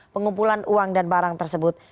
pengumpulan uang dan barang tersebut